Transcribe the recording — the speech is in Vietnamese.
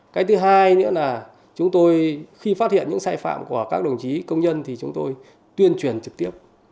cái thứ hai nữa là khi phát hiện những sai phạm của các đồng chí công nhân chúng tôi tuyên truyền trực tiếp